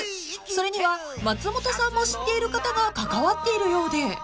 ［それには松本さんも知っている方が関わっているようで］